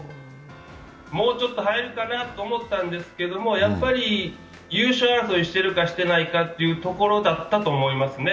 もうちょっと入るかなと思ったんですけれども、やっぱり優勝争いしてるかしてないかというところだったと思いますね。